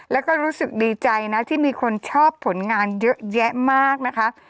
แล้วก็รู้สึกดีใจนะที่มีคนชอบผลงานเยอะแยะมากนะคะ